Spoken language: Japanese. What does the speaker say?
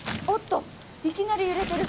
いきなり揺れてる！